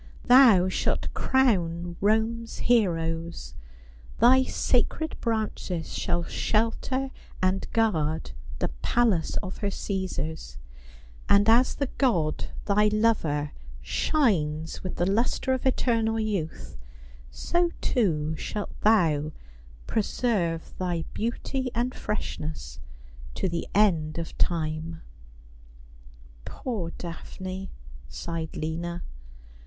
Thou shalt crown Rome's heroes ; thy sacred branches shall shelter and guard the palace of her Cii^sars ; and as the god, thy lover, shines with the lustre of eternal youth, so, too, shalt thou preserve thy beauty and freshness to the end of time." '' Poor Daphne,' sighed Lina.